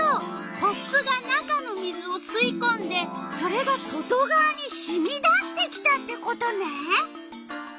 コップが中の水をすいこんでそれが外がわにしみ出してきたってことね！